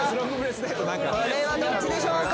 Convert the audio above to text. これはどっちでしょうか？